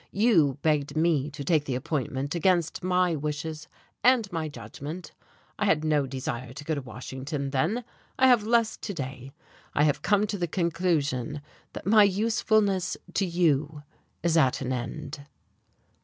You begged me to take the appointment against my wishes and my judgment. I had no desire to go to Washington then, I have less to day. I have come to the conclusion that my usefulness to you is at an end."